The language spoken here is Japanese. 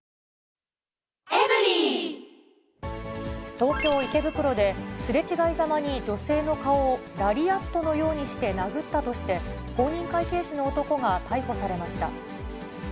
東京・池袋で、すれ違いざまに、女性の顔をラリアットのようにして殴ったとして、公認会計士の男が逮捕されました。